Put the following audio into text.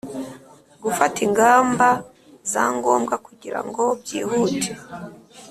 Gufata ingamba za ngombwa kugira ngo byihute